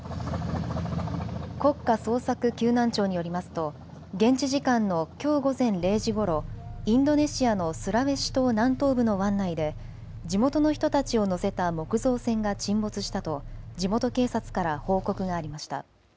国家捜索救難庁によりますと現地時間のきょう午前０時ごろインドネシアのスラウェシ島南東部の湾内で地元の人たちを乗せた木造船が沈没したと地元警察から報告がありました。